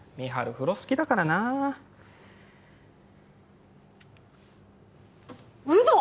風呂好きだからなＵＮＯ？